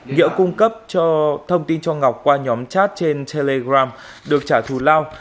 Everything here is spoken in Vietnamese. nghĩa cung cấp cho thông tin cho ngọc qua nhóm chat trên telegram được trả thù lao